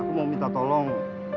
aku mau minta tolong